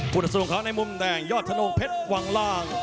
ผู้ท่านสนุกของเขาในมุมแดงยอดถนนเพชรหวังล่าง